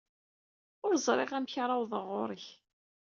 Ur ẓriɣ amek ara awḍeɣ ɣer-k.